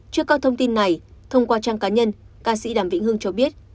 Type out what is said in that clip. trước các thông tin này thông qua trang cá nhân ca sĩ đàm vĩnh hương cho biết